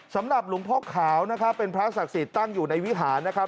สำหรับหลวงพ่อขาวนะครับเป็นพระศักดิ์สิทธิ์ตั้งอยู่ในวิหารนะครับ